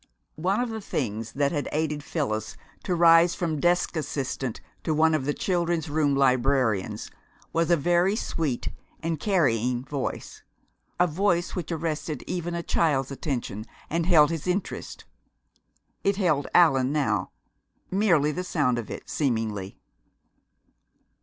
One of the things which had aided Phyllis to rise from desk assistant to one of the Children's Room librarians was a very sweet and carrying voice a voice which arrested even a child's attention, and held his interest. It held Allan now; merely the sound of it, seemingly.